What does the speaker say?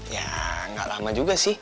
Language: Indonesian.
ya gak lama juga